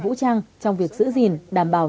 vũ trang trong việc giữ gìn đảm bảo